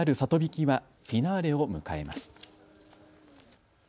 曳きはフィナーレを迎えます。